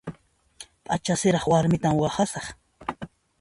P'acha siraq warmitan waqhasaq.